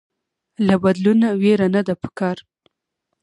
له بدلون ويره نده پکار